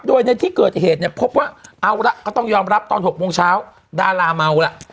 โดยในที่เกิดเหตุเนี่ยพบว่าเอาละก็ต้องยอมรับตอน๖โมงเช้าดาราเมาล่ะ